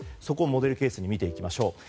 そこをモデルケースに見てみましょう。